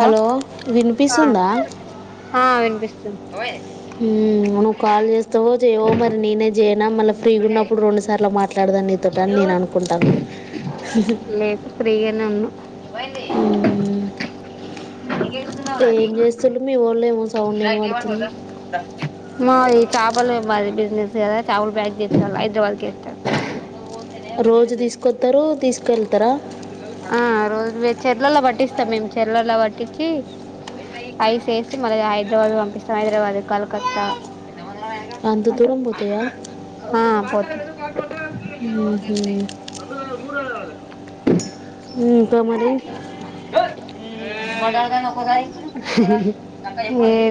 Hello ఆ వినిపిస్తుందా ఆ వినిపిస్తుంది నువ్ కాల్ చేస్తావో చెవో మరి నేనే మళ్ళా ఫ్రీగా ఉన్నప్పుడు రెండు సార్లు మాట్లాడదా నీతోట అని నేను అనుకుంటాను లేదు ఫ్రీగానే ఉన్నా ఏం చేస్తుళ్ళు మీ వాళ్ళు ఏమో సౌండ్ వినబడుతుంది మా ఈ చేపలు [unintelligible] [unintelligible] [unintelligible] బ్యాగ [unintelligible] హైదరాబాద్కి [unintelligible] రోజు తీసుకొస్తారు తీసు కేళ్తరా ఆ రోజు చెర్లల్లో పట్టిస్తాం మేము చెర్లల్లో పట్టించి ఐస్ వేసి మళ్ళ హైదరాబాద్ పంపిస్తాం హైదరాబాద్ కలకత్తా అంత అటు దూరం పోతయ ఆ పోతాం ఏ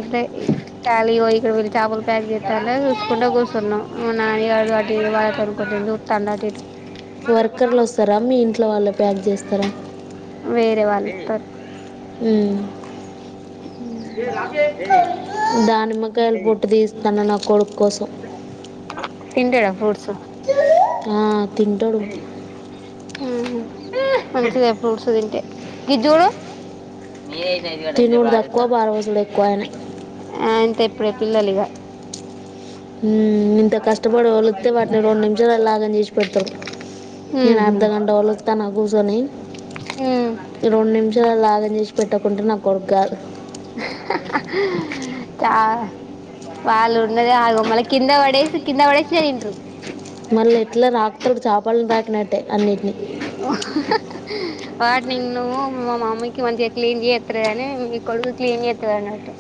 ఖాళీ ఇక్కడ వీళ్ళి చేపలు ప్యాక్ చేస్త చూసుకుంటే కూర్చున్నాం మా నానిగడు అటు వాళ్ళనుకుంటంది చూస్తాం అటు ఇటు వర్కర్లు వస్తారా మీ ఇంట్లో వాళ్ళు ప్యాక్ చేస్తారా వేరే వాళ్ళుస్త మ్మ్ రాగే దానిమ్మకాయలు పొట్టు తీస్తాన నా కొడుకు కోసం ఫ్రూట్ ఆ తింటాడు ఏ మంచిదే ఫ్రూట్స్ తింటే ఇటు చూడు తినుడు తక్కువ పారవసుడు ఎక్కువ ఆయన అంటే ఎ పిల్లలు ఇగా ఉం ఇంత కష్టపడి వదిలెతే వాటిని రెండు నిమిషాలు లాగం చేసి పెడతా నేను ఉహు అర్ధ గంట వరకు చూత్తన కూర్చొని ఉమ్ ఇగ రెండు నిమిషాలు ఆగం చేసి పెట్ట చాల వాళ ఉన్నదే ఆగం మళ్ల కింద వడేసి కింద పడేసే తింటారు మళ్ళీ ఎట్లా రాకుతాడు చపాలని రా న్నట్టే అన్నిటినీ వాడు నిన్ను మామ్మకి మంచిగా క్లీన్ చేయస్తంది కాని మీ కొడుకు క్లీన్ చేస్తుంది అన్నట్టు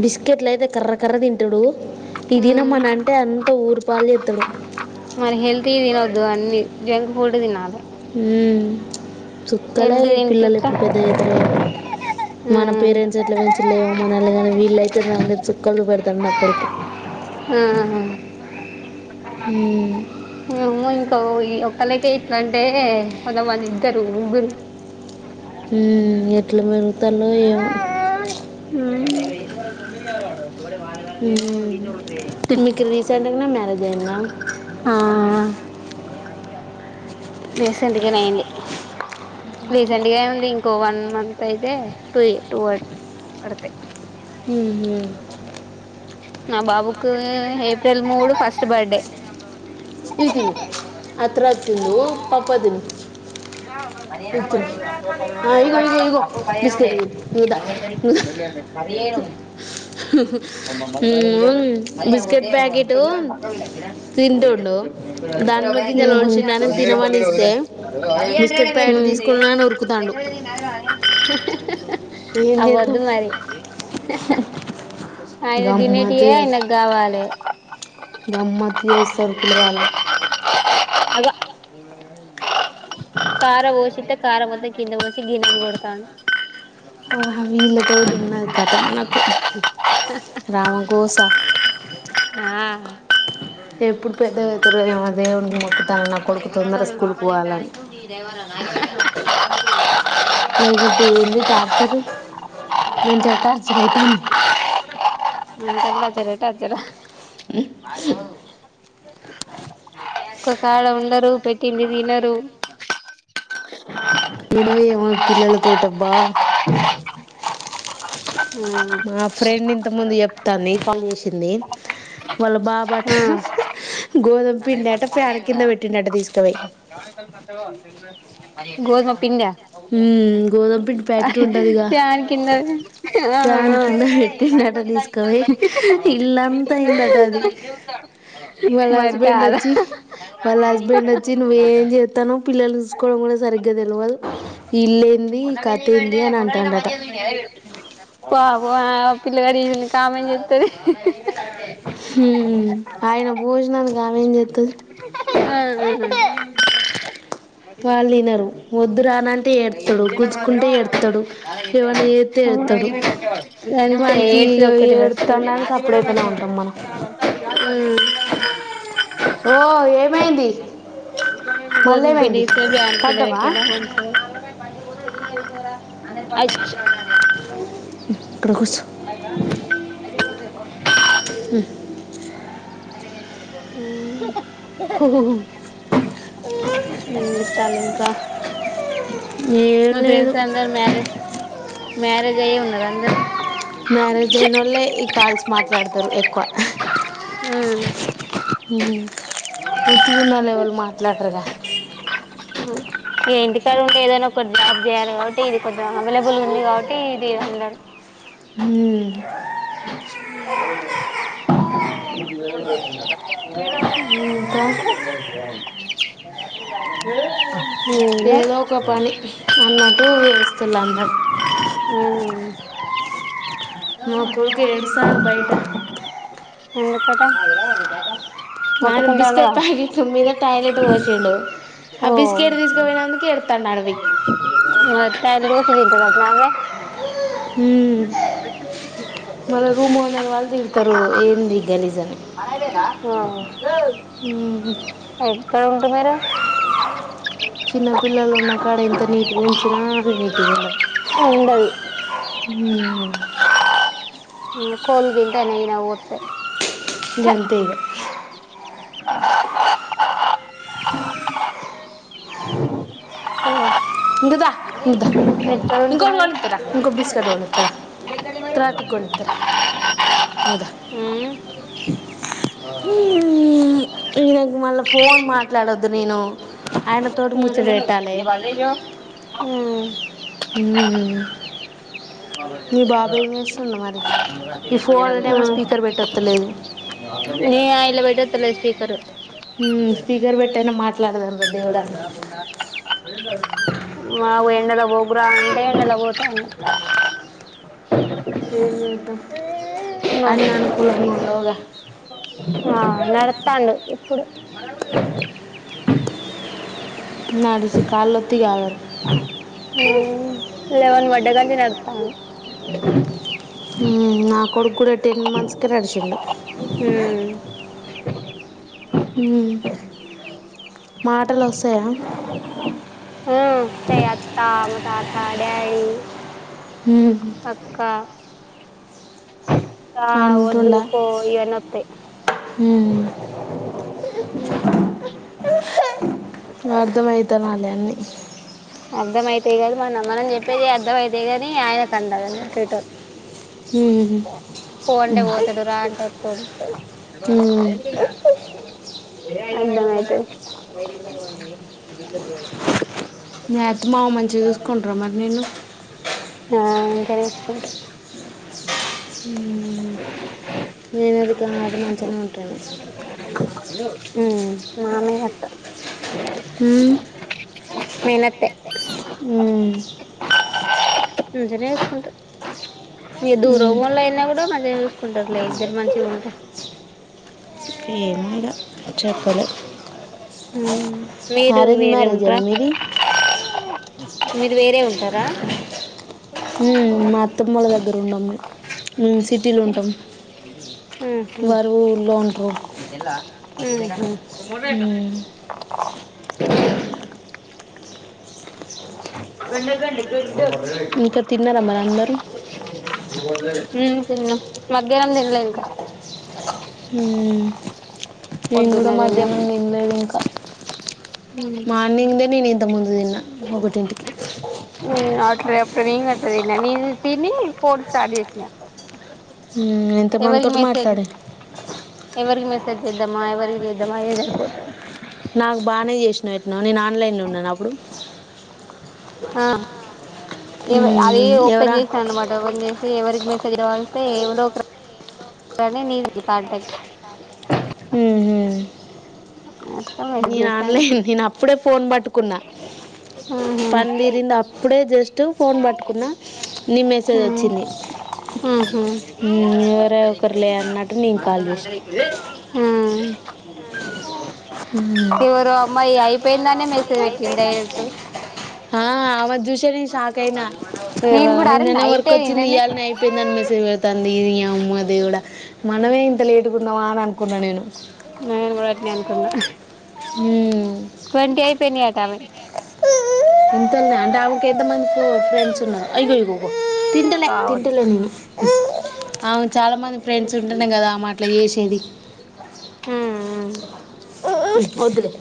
బిస్కెట్ల్ అయితే కర్ర క్కర్ర తింటాడు తిరిగి ఉమ్ రమ్మని అంటే అంత ఊరు పాలు చేత్తాడు అ అన్ని జంక్ ఫుడ్ తినాలే ఉం చుక్కలే హెల్తీ తింటే పిల్లలు ఎట్లా ఇప్పుడు పెద్ద అయితరో అని మన ఉమ్ పేరెంట్స్ ఎట్లా పెంచి లేమో మనలా కానీ వీళ్ళ అయితేక చుక్కలతో పెడతారు నా కొడుకు ఉమ్ ఉం ఒ ఈ ఒక్కళకే ఇట్లా అంటే కొంతమంది ఇద్దరు ముగ్గురు ఉం ఎట్లున్నారో తలో ఏమో [inaudible] ఆ మ్మ్. మీకు రీసెంట్గానే మ్యారేజ్ అయిందా రీసెంట్గానే అయింది రీసెంట్గా ఎం ఉంది ఇంకో వన్ మంత్ అయితే త్రి టూ పడతై మ్మ్. నా బాబుకి ఏప్రిల్ మూడు ఫస్ట్ బర్త్డే ఈ తిను అత్ర తిందు పప్ప తిను కూచ్చును ఇగో ఇగో ఇగో బిస్కెట్ తి అ పను బిస్కెట్ ప్యాకెట్ తింటుండు ఉహు దానిమ్మ గింజలు ఒలిచిండని తినమని ఇస్తే బిస్కెట్ ప్యాకెట్ తీసుకున్నాను ఉరుకుతాండు ఉం ఏం అ అవ్వద్దు చేద్దాం మరి ఆయన గమ్మత్తు తినేతియే ఆయనకు చేస్త- కావాలే గమ్మత్తు చేస్తారు పిల్లగాన్లు అగ కార పోసిస్తే ఖార మొత్తం కింద పోసి గిన్నను కొడతాండు ఆ వీళ్ళతోటి ఉన్నది కథ మనకు రామగోస ఎప్పుడు పెద్దగా అవుతారో ఏమో దేవునికి మొక్కుతాను నా కొడుకు తొందర ఎవ స్కూల్కి బాబళ పోవాలని ప మీ డైవర్ చరు మెంటల్ టార్చర్ అయితాంది మెంటల్ టార్చర్ రా టార్చర్ రా మాది ఎవ ఒక కాడ ఉండరు పెట్టింది తినరు ఏదో ఏమో పిల్లల తోటి దబ్బా అ మా ఫ్రెండ్ ఇంత ముందు చెప్తాంది కాల్ చేసింది వాళ్ళు బాబాట గోధుమ పిండి ఆట ఫ్యాన్ కింద పెట్టిండట తీసుకపోయి గోధుమ పిండి ఆ అ గోధుమ పిండి ప్యాకెట్ ఉంటుందిగా ఫ్యాన్ కింద ఫ్యాన్ కింద పెట్టిండట తీసుకుపోయి ఇల్లంతా అయిందట అది వాళ్ళ మరి హస్బెండ్ కదా వచ్చి వాళ్ళ హస్బెండ్ వచ్చి నువ్వేం చేస్తానో ఇల్ఏంది మన్నన వెెలి మడద మొళ మధ్య నెతు వ పిలగడిని ఈమెని కామెంట్ చేస్తది హు ఆయన భోజనానికి అమ్మేం చెతది అ వాళ్ళు వినరు వద్దు రానంటే ఏడతుడు చేస్తే ఏడుతాడు గంతే వానికి ఏడుసుడు ఒక్కటి వస్తది ఏడుతాడని సపరేట్గానే ఉంటాం మనం ఓ ఏమైంది మళ్ళీ గోధుమ పిండి ఏమైంది తీసుకుపోయి ఫ్యాన్ కింద పడ్డావా పెట్టింరా మంచిగ యిధారా అ పష ఇక్కడ కూర్చో అ వ హ ఉమ్ ఏం చేస్తాండ్రు ఇంక ఏం మా లేదు ఫ్రెండ్స్ అందరూ మ్యారేజ్ మ్యారేజ్ అయ్యే ఉన్నార అందరు మ్యారేజ్ అయినోళ్ళే ఈ కాల్స్ మాట్లాడతారు ఎక్కువ ఉమ్ ఊ డ్యూటీలునోళ్లు ఎవరు మాట్లాడరుగా అదే అండీ ఏదన ఒక జాబ్ చేయాలి కాబట్టి ఇది కొంచెం అవైలబుల్గా ఉంది కాబట్టి ఇది అందరు ఉమ్. ఆయె [unintelligible] ఆమె [unintelligible] వచ్చిందంట ఇంకా మాకు జూష్పోంది గాదు ఏ [unintelligible] ఏదో ఒక పని అన్నట్టు వస్తుల అందర ఉమ్ మా కొడుకు ఏడుస్తండు బయట ఎందుకట ఆయన మొత్తుకుంటాండుగా బిస్కెట్ ప్యాకిట్ మీద టాయిలెట్ పోసిండు ఆ ఓ బిస్కెట్ తీసుకుపోయినందుకు ఎడతాండు ఆడపోయి మొత్తానికి దోశ తింటనట్టన్నావే మళ్ళీ రూమ్ ఓనర్ వాళ్ళు తిడతారు ఏంది గలీజ్ అని ఉమ్. ఎక్కడ కెమెరా చిన్నపిల్లలు ఉన్నా కాడ ఇంత నీట్ ఉంచిన నీటిగుండది ఉండదు ఊ ఊ కోల్ తింటనాయ్ ఈన ఒతే గంతే ఇగ అ ఇందుదా ఉదా ఇంకోటి ఉంటరు కొనిత్తార ఇంకో బిస్కెట్ కొనిత్తారా తర్వాతి కొనిత్తా రా ఇంగదా మీరు ఊ ఈనకు మళ్ళ ఫోన్ మాట్లాడొద్దు నేను ఆయన తోటి ముచ్చట పెట్టాలే ఊ ఆ మీ బాబు ఏం చేస్తుండు మరి ఈ ఫోన్ ఏమో స్పీకర్ పెట్టొత్తలేదు ఏ అయలా బెటత లేద్ పీకరు పోన మ్మ్, స్పీకర్ పెట్టైనా మాట్లాడదాం రా దేవుడా [unintelligible] మా వాడు ఎండకి పోకురా అంటే ఎండలో పోతండు అన్ని ఆనుకూలంగా ఉండవుగా ఆ నడుత్తాండు ఇప్పుడు నడుస్ కాళ్ళు ఒత్తిగ ఆగరు ఊ లెవెన్ వడ్డ గాంచి నడుతాండు [unintelligible] ఊ నా కొడుకు కూడా టెన్ మంత్స్ కి నడిచిండు ఉమ్ ఉమ్ మాటలు ఒస్తయా తయి అత్త మా తాత డాడీ మ్మ్. అక్కా [inaudible] ఆ వద్దు అంటుండా పో ఇవన్నీ వత్తాయ్ మ్మ్. అర్ధం అయితుండాలి అన్నీ అ అర్థం అయితయి కాదు మ నమ్మనం చెప్ప పె అర్ధంఅయితాయిగాని ఆయన కందరు టీటర్ ఉమ్. పో అంటే పోతాడు రా అంటే వత్తాడు ఉమ్. అర్థమయితది మీ అత్త మామ మంచిగా చూసుకుంటారా మరి నిన్ను ఆ ఇంక తీసుకుంట ప్రతి నేనైతే ఇక్క వున్నపనుంచే మంచిగనే ఉంటండు మామి అత్త హ్మ్ మేనత్ హ్మ్ ఉంట మీ దూరపంలో అయినా కూడా మంచిగా చూసుకుంటారు లే ఇద్దరు మంచిగా ఉంటే ఏమో ఇగ చెప్పలే హ్మ్ అరేంజ్డ్ మేరేజేనా మీ మీరు వేరే ఉంట తర మా అత్తమ్మల దగ్గర ఉండాము సిటీలో ఉంటాం ఉహు వారు ఊళ్లో ఉంటం మ్ హ కంట కంట ఇంకా తిన్నారా మరి అందరూ మ్ తిన్న మధ్యాహ్నం తిన్లే ఇకా నేను కూడా పొద్దున్నే తిన్నా మధ్యనం నిళలేదు ఇంకా మా నిందే నేను ఇంత ముందు అట అప్పుడు నంగ్ అతది న నను తని ఫోర్స్లన్నా హ్ ఎంత మందితోటి మట్లాడిల్లు రేపు చేద్దమా ఎవరి చేద్దమా ఇదే సరిపోతంది. నాకు బానే చేసినవెట్నో నేను ఆన్లైన్లో ఉన్ననా అప్పుడు. ఆ ఎవ అది మ్మ్, ఓపెన్ ఎవరా చేసిన అన్నమాట ఓపెన్ చేసి ఎవరికి మెసేజ్ కావలిస్తే ఏవలు [inaudible] నీది కాంటక్ట్ హ్ హు అట్లా మెసేజ్ నేను చేసిన నీకు ఆన్లైన్ నేను అప్పుడే ఫోన్ పట్టుకు కున్నా పని ఆహా తీరింది అప్పుడే జ ఫోన్ పట్టుకున్న నీ మెసేజ్ వచ్చింది ఆహా ఎవర ఒకరు లే అన్నట్టు నేను కాల్ చేసా చివరు అమ్మాయి అయిపోయిందానే మెసేజ్ పెట్టింది డైరెక్ట్ ఆ, ఆమె చూసే నేను షాక్ అయినా నిర నేను కూడా అరే నిన్ననే వర్క్ నైటే వచ్చింది. నిన్ననే ఇయ్యాల్నే అయిపోయిందని మెసేజ్ పెడుతాంది. ఈ అమ్మ దేవుడా మనమే ఇంత లేటుగున్నమా అని అ కున్నా నేను. నేను కూడా అట్నే అనుకున్నా. హ్ ట్వంటీ అయిపోయినాయట అవి ఎంతున్నయి అంటే ఆమెకు ఎంత మంది ఫోన్ ఫ్రెండ్ స్తున్నా అ ఇగోఇగో తింటలే కావచ్చు తింటలే నేను. అవును చాలామంది ఫ్రెండ్స్ ఉంటనే కదా ఆమె అట్లా చేసేది. వద్దులే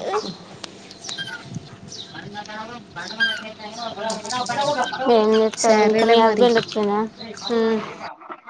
ఎంచేత్తాల్లు ఇంకా మీ సరేలే మరి హస్బెండ్ చ్చేనా హ్ అ